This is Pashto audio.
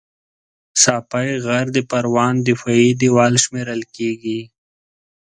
ساپی غر د پروان دفاعي دېوال شمېرل کېږي